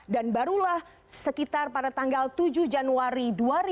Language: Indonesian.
dan barulah sekitar pada tanggal tujuh januari dua ribu dua puluh